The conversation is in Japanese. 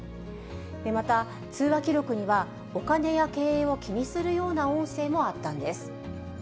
また、通話記録には、お金や経営を気にするような音声もあったんです。